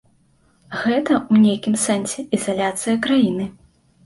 Гэта ў нейкім сэнсе ізаляцыя краіны.